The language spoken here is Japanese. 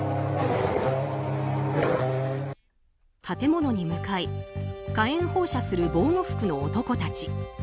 建物に向かい火炎放射する防護服の男たち。